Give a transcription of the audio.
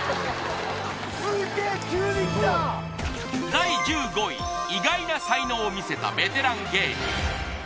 第１５位意外な才能を見せたベテラン芸人